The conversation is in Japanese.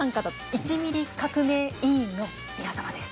１ミリ革命委員の皆様です。